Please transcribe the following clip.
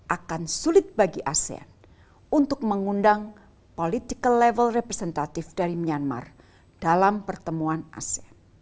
akan sulit bagi asean untuk mengundang politik yang lebih luas